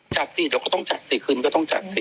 จัดสิเดี๋ยวก็ต้องจัดสิคืนก็ต้องจัดสิ